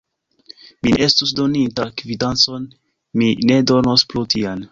Mi ne estus doninta kvitancon: mi ne donos plu tian.